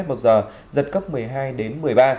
một giờ giật cấp một mươi hai đến một mươi ba